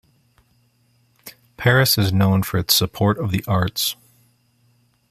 Paris is known for its support of the arts.